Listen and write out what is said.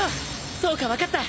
そうか分かった！